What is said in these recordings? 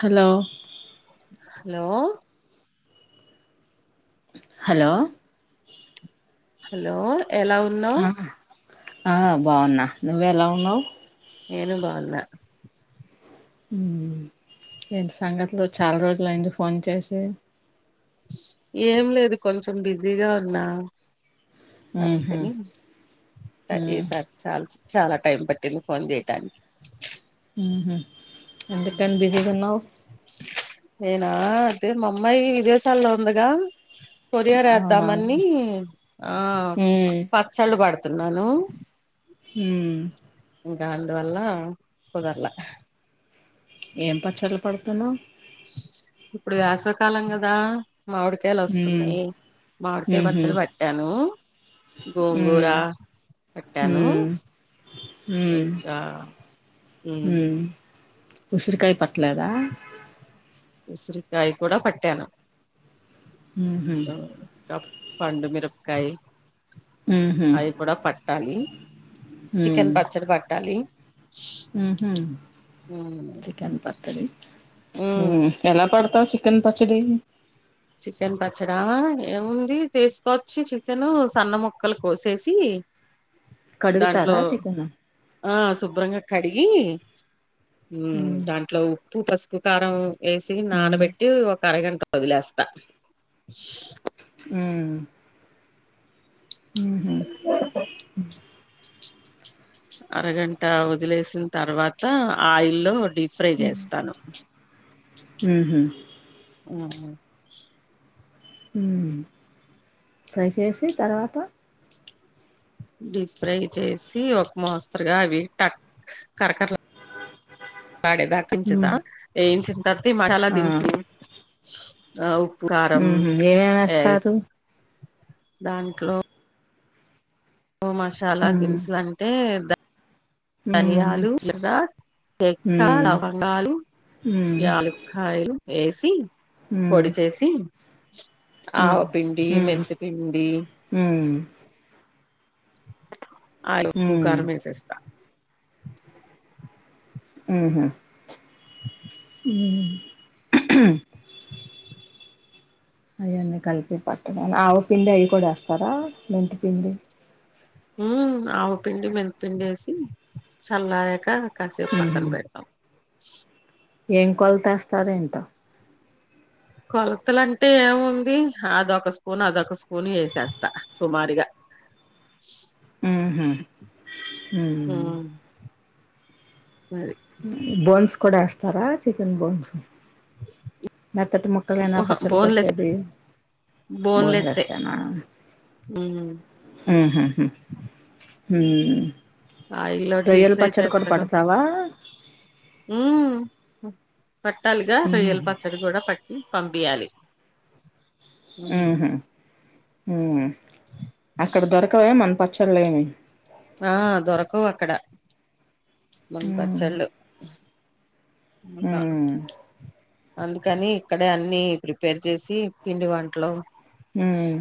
Hello hello hello hello ఎలా ఉన్నావు ఆ ఆ బాగున్నా నువ్ ఎలా ఉన్నావ్ నేను బాన్నా ఊ ఏంటి సంగతిలు చాలా రోజులు అయింది ఫోన్ చేసి ఏం లేదు కొంచెం బిజీగా ఉన్నా ఉహు అందుకని తటేసారు చాలాసేపు చాలా టైం పట్టింది ఫోన్ చేయటానికి ఊహు ఎంత టైమ్ బిజీగ ఉన్నావు నేనా అదే మా అమ్మాయి విదేశాల్లో ఉందిగా కొరియర్ అవునా వేద్దామని ఉ ఆ పచ్చళ్ళు పెడత చెతున్నాను [unintelligible] హ గ అందువల్ల కుదరల ఏం పచ్చళ్లు పెడుతున్నావు ఇప్పుడు వేసవి కాలం కదా మామిడికాయలు వస్తున్నాయి మామిడికాయ ఉహు పచ్చడి పెట్టాను ఉ గోంగూర పెట్టాను ఇంకా ఉసిరికాయ పెట్లేద ఉసిరికాయ కూడా పెట్టాను ఉహు పండుమిరపకాయి ఉహు అవి కూడా పట్టాలి చికెన్ పచ్చడి పెట్టాలి ఉహ్ ఉమ్ చికెన్ ప అరి [unintelligible] ఉ ఉమ్, ఎలా పెడతావ్ చికెన్ పచ్చడి చికెన్ పచ్చడా ఏముంది తీసుకొచ్చి చికెన్ సన్న ముక్కలు కోసేసి దాంట్లో కడుగుతారా చికెను ఆ శుభ్రంగా కడిగి ఉ ఉమ్ దాంట్లో ఉప్పు పసుపు కారం వేసి ఉమ్ నానబెట్టి ఒక అరగంట వదిలేస్త హ ఉహ్ అరగంట వదిలేసిన తర్వాత ఆయిల్లో డీప్ ఫ్రై చేస్తాను ఉహు ఉ ఉ ఫ్రై చేసి తర్వాత డీప్ ఫ్రై చేసి ఒక మోస్తరుగా అవి ట కరకర వాడేదాక ఏంచుతా తర్తి మసాల దినుసు అవు ఉ హ్ ఏమేమి వేస్తారు దాంట్లో ఉ మషాల ఉమ్ దినుసు అంటే ద ఉమ్ ధనియాలు జీలకర్ర తెక్క ఉమ్ లవంగాలు ఉమ్ యూ లుక్కాయలు ఏసీ ఉమ్ పొడి చేసి ఇన్అడిబుల్ ఉమ్ ఆవపిండి ఉమ్ మెంత పిండి ఉమ్ ఇనోఅడిబుల్ ఆయే ఉప్పు ఉమ్ కారం ఎసేస్తా ఆహ ఉ ఆవుపిండి అవి కూడా వేస్తారా ఉమ్ ఆవుపిండి మెంతుపిండి వేసి చల్లారాక కాసేపు ఉహు పక్కన పెడతాం ఏం కొలత ఏస్తారో ఏంటో కొలతలంటే ఏముంది అదొక స్పూన్ అదొక స్పూన్ వేసేస్తా సుమారుగా ఆహుమ్ ఉమ్ మరి బోన్స్ కూడా ఎస్త పోరా చికెన్ బోన్స్ ఆ మెత్తటి ముక్కలైనా ఓహా పచ్చడి బోన్లెస్ పట్టేది బోన్లెస్సే బోన్లెస్ ఏ నా హ్మ్ ఉహుహు ఉమ్ ఆయిల్లో డీప్ రొయ్యలు పచ్చడి కూడా పడతావా ఉమ్ పట్టాలిగా రొయ్యల ఉహు పచ్చడి కూడా పట్టి పంపియాలి హ్మ్ ఉహుమ్ ఉమ్ అక్కడ దొరకవే మన పక్క చల్లగానే ఆ దొరకవు అక్కడ మన ఉమ్ పచ్చళ్ళు అమి కా ఉమ్ అందుకని ఇక్కడే అన్ని ప్రిపేర్ చేసి పిండి వంటలు హమ్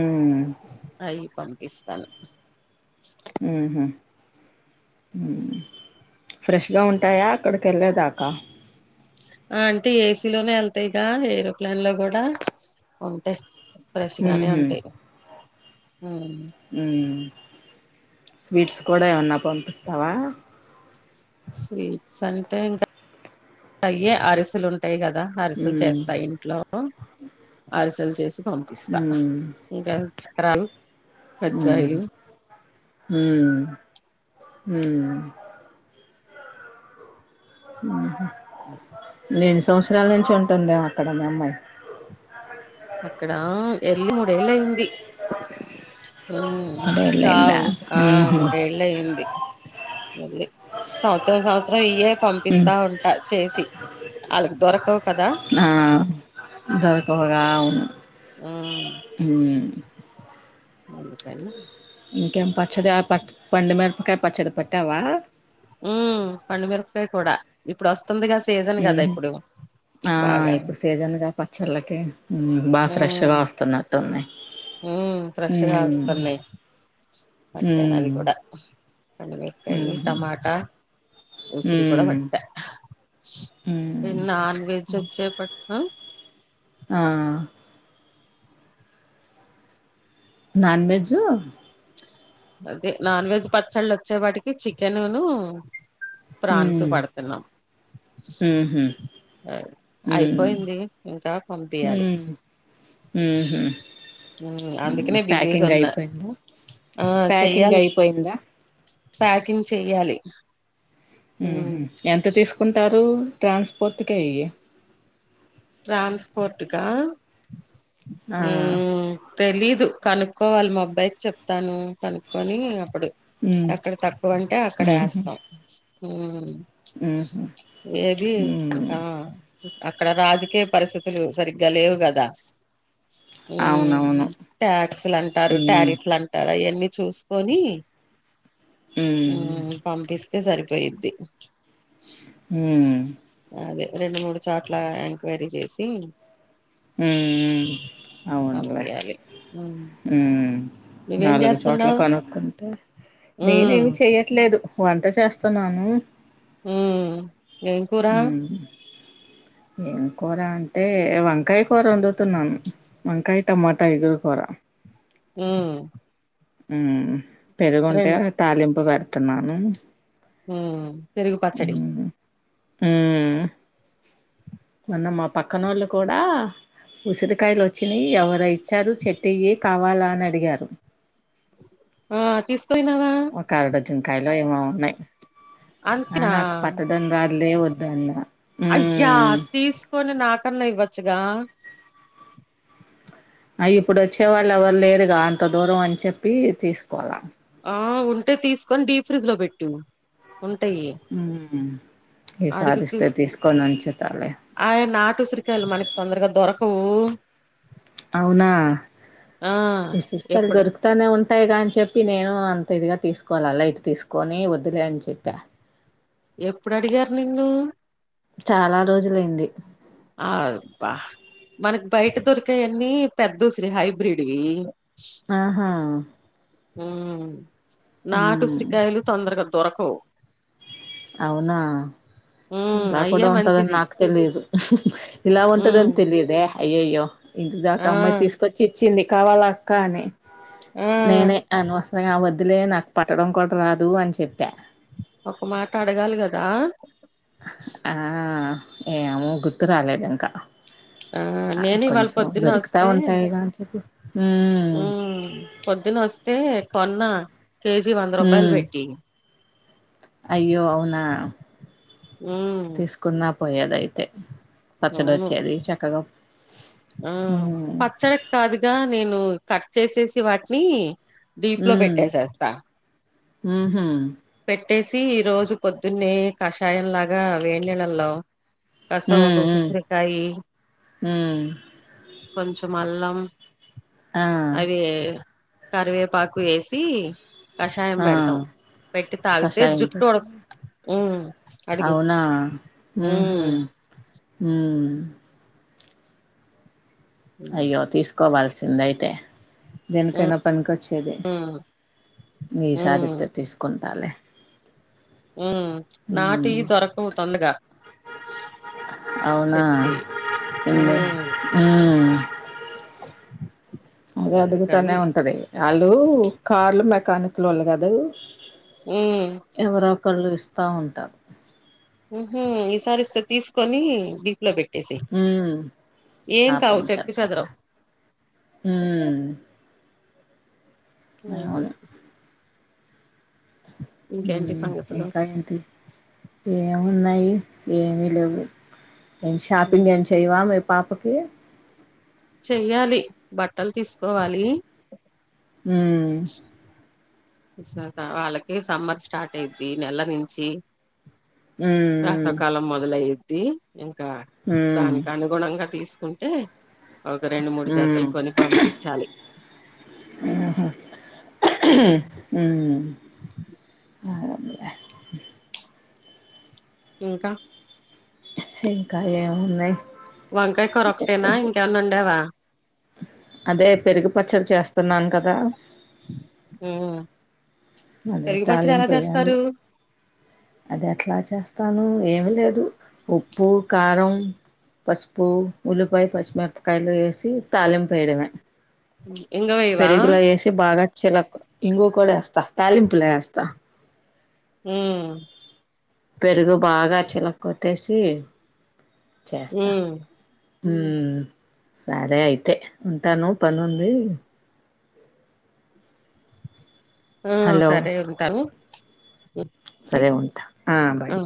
ఆమ్ ఇస్తాను ఆహ ఫ్రెష్గా ఉంటాయా అక్కడికి వెళ్ళేదాకా అంటే ఏసీలోనే వెళ్తాయిగా ఏరోప్లేన్ లో కూడా ఉంటాయి ఫ్రెష్గనే ఉంటాయి హ్మ్ అ స్వీట్స్ కూడా ఏమన్నా పంపిస్తావా స్వీట్స్ అంటే ఇంకా అయే అరిసలు ఉంట టాయి కదా అరిసలు ఉమ్ చేస్తా ఇంట్లో అరిసలు చే పంపిస్తా ఉమ్ ఇకా రన్ కజయి హ హ ఆ అ ఎన్ని సంవత్సరాల నుంచి ఉంటుందేమో అక్కడ మీ అమ్మాయి అక్కడ ఎల్లి మూడేళ్ళ అయింది పదేళ్ళయిందా చావు ఆ ఊహూ మూడేళ్ళ అయింది వె సంవత్సరం సంవత్సరం ఇయ్య హ్మ్ పంపిస్తా ఉంటా చేసి వాళ్ళకు దొరకవు కదా ఆ అవు వె ప ఇంకేం పచ్చది పట్ పండు మరపకాయ పచ్చది పెట్టావా ఉ పండుమిరకాయ కూడా ఇప్పుడు వస్త ఆ బాగా ఇప్పుడు సీజన్గా పచ్చళ్ళకి బాగా ఫ్రెష్గా వస్తున్నట్టు ఉందియి హ ఫ్రెష్గా వస్తున్నాయి వట్టాను అది హ్మ్ కూడా పండిమిరకాయ ఊహూ టమాటా ఉసిరి కూడా హ్మ్ వట్ట హ్మ్ నన్ వెెజ్ వచ్చే పట్ ఆ నాన్ వెజ్ అదే నాన్ వెజ్ పచ్చళ్ళు వచ్చే వాటికి చికెనును ప్రాన్స్ హ్మ్ పడుతున్నాం ఊహూ హ్మ్ అయిపోయింది ఇంకా పంపియాలి హ్మ్ ఊహూ అందుకనే బిజీగా ప్యాకింగ్ ఉన్నా అయిపోయిందా ఆ ప్యాకింగ్ చెయ్యాలి అయిపోయిందా ప్యాకింగ్ చెయ్యాలి ఉహ మ్ ఎంత తీసుకుంటారు ట్రాన్స్పోర్ట్ కి ట్రాన్స్పోర్ట్క ఆ ఒ తెలిదు కనుక్కోవాలి మా అబ్బాయికి చెప్తాను కనుక్కొని అప్పుడు ఉమ్ అక్కడ తక్కువ అంటే అక్కడ ఉహు వేస్తాం ఉహ ఉహు ఏది ఉమ్ ఆ అక్కడ రాజ ఒకే పరిస్థితులు సరిగ్గా లేవు కదా అవునవును టాక్స్ లు అంటారు ఉమ్ టారిఫ్లు అంటారు ఆయన్ని చూసుకొని ఉమ్ పంపిస్ అయితే సరిపోయిద్ది హ అదే రెండు మూడు చోట్ల ఎంక్వైరీ చేసి ఉ అవునులే పంపియాలి మ్మ్ ఉ నువ్వేం నాలుగు చోట్ల చేస్తున్నావ్ కనుక్కుంటే నేనే మ్మ్ ఏమి చెయ్యట్లేదు వంట చేస్తున్నాను ఉ ఏం కూర ఉమ్ ఏం కూర అంటే వంకాయ కూర వండుతున్నాను వంకాయ టమాటా ఎగురుకూర ఆ అ పెరుగుంటే తాలింపు పె తిన్నాను హ పెరుగు పచ్చడి ఉ మొన్న మా పక్కనోళ్ళు కూడా ఉసిరికాయలు వచ్చినాయి ఎవరో ఇచ్చారు చెట్టు ఈ కావాలా అని అడిగారు ఆ తీసుకుపోయినవ్ ఒక అరడజన్ కాయలు ఏమో ఉన్నాయి ఆ అంతేనా నాకు పట్టదని రాదులే వద్దన్న కర్ల ఇవ్వచ్చుగా అ ఇప్పుడు వచ్చే వాళ్ళు ఎవరు లేరుగా అంత దూరం అని చెప్పి తీసుకోవాల ఆ ఉంటే తీసుకొని డీ ఫ్రిడ్జ్ లో పెట్టు ఉంటాయి మ్మ్ అడుగు ఈసారిస్తే పిస్ తీసుకొని ఉంచుతాలే ఆయి నాటు ఉసిరికాయి మనకి తొందరగా దొరక కో అవునా ఇసురు కాయలు ఎప్పుడు దొరుకుతనే ఉంటాయి గానీ చెప్పి నేను అంత ఇదిగా తీసుకోవాల లైట్ తీసుకొని వద్దులే అని చెప్పా ఎప్పుడు అడిగారు నిన్ను చాలా రోజులయింది ఆ బా మనకి బయట దొరికాయన్నీ పెద్దస్ర హైబ్రిడ్వి ఆహా ఉమ్ నాటు మ్మ్ ఉసిరికాయలు తొందరగాలు దొరకవు అవునా ఉమ్ ఇలా అయ్యే కూడా ఉంటదని మంచిది నాకు తెలియదు ఇలా ఉంటదనీ ఉమ్ తెలియదే అయ్యయ్యో ఇంటి దాకా ఆ అమ్మాయి తీసుకొచ్చి ఇచ్చింది కావాలా కానీ ఆ నేనే అను వస్త్రంగావద్దు అదిలే నాకు పట్టడం కూడా రాదు అని చెప్పా ఒక మాట అడగాలి కదా ఆ ఏమో గుర్తురాలేదు ఇంకా ఆ నేను ఇవాళ కొంచెం పొద్దున దొరుకుతా వస్తే ఉంటాయిగా అని చెప్పి మ్మ్ ఉమ్ పొద్దున వస్తే పొన్నా కేజీ వంద రూపాయలు మ్మ్ పెట్టి అయ్యో అవునా ఉమ్ పోయదైతే పచ్చడి అవును వచ్చేది చక్కగా ఆ హ్మ్ పచ్చడికి కాదుగా నేను కర్చ చేసేసి వాటిని డీప్ లో హ్మ్ పెట్టేసేస్తా ఊహూ పె పెట్టేసి ఈ రోజు పొద్దున్నే కషాయం లాగా వేడి నీళ్లలో కాస్త ఒక హ్మ్ హ్మ్ ఉసిరికాయి హ్మ్ కొంచెం అల్లం ఆ అవి కరివేపాకు వేసి కషాయం ఆ పెడతాం పెట్టి తాగుతే కషాయం జుట్టోడ పెట్టు ఉమ్ అడుగు అవునా ఉమ్ అ అయ్యో తీసుకోవాల్సి చింద అయితే ఉమ్ దేనికైనా పనినికోచ్చేది ఈసారి ఉమ్ ఎత్తే తీసుకుంటాలలే మ్ నాటి హ్మ్ దొరకవుతోందగా అవునా చెట్టి ఎందు హ్మ్ అదే అడుగుతానే ఉంటది. ఆళ్ళు కార్లు మే కానుకుల లోళ్ళు కదా ఇ మ్ కళ్ళు ఇస్తా ఉంటారు. ఊహుం ఈసారి ఇస్త తీసుకొని దీప్ లో పెట్ హ్మ్ ఆ కావు చెప్పి పంచేతవ్వ చదరవు హ్మ్ [unintelligible] ఇంకేంటి మ్ సంగతులు ఇంకా ఏంటి ఏమున్నాయి ఏమి లేవు షాపింగ్ ఉమ్, ఏం చెయవా ఎప్ పాపకి చెయ్యాలి బట్టలు తీసుకోవాలి. ఉమ్ వాళ్ళకి సమర్చ్ స్టార్ట్ అయిద్ది ఈ నెల రీన్ జి ఉమ్ వేసవ్కాలం మొదలై ది ఇంకా ఉమ్ దానికి అనుగుణంగా తీసుకు ఉంటే ఒక రెండు మూడు జతలు ఉమ్ కొని పంపించాలి. ఉమ్ ఆలె ఇంకా ఇంకా ఏమ్ ఉన్నాయి. వంకాయ కూర ఒకటేనా ఇంక ఏమన్న వండవా అదే పెరుగు పచ్చడి చేస్త స్తున్నాన్ కదా మ్ అదే తాలిం పోయాలి అది ఎట్లా చేస్తాను. ఏమి లేదు ఉప్పు కారం పసుపు ఉల్లిపాయ పచ్చిమిరపకాయలు వేసి తాళింపు వేయడమే ఇంగ వేయవా పెరుగులో వేసి బాగా చెలా కూడా ఇంగువా కూడా వేస్తా తలింపులో వేస్తా హు పెరుగు బాగా చిలక్కొట్టిసి హు ఉ సరే అయితే ఉంటాను పని ఉంది ఆ హలో సరే ఉంటాను స సరే ఉంటా ఆ బాయ్